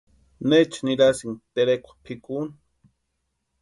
¿Neecha nirasïnki terekwa pʼikuni?